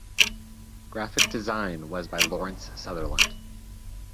Graphic design was by Laurence Sutherland.